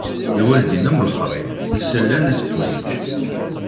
Lwaldin am lexrif, ass-a llan, azekka ulac.